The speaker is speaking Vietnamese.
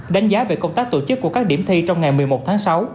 đánh giá về công tác tổ chức của các điểm thi trong ngày một mươi một tháng sáu